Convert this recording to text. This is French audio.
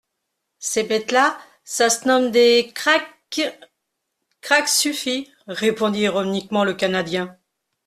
Ces bêtes-là, ça se nomme des krak … —Craque suffit, répondit ironiquement le Canadien.